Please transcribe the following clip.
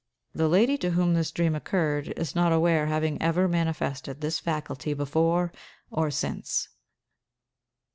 The lady to whom this dream occurred is not aware having ever manifested this faculty before or since.